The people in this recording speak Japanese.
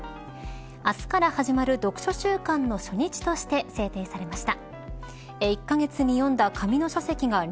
明日から始まる読書週間の初日として制定されました。